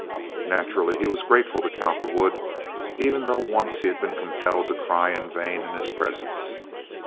Naturally he was grateful to Cowperwood, even though once he had been compelled to cry in vain in his presence.